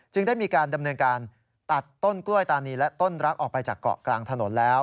ได้มีการดำเนินการตัดต้นกล้วยตานีและต้นรักออกไปจากเกาะกลางถนนแล้ว